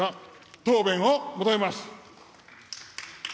答弁を求めます。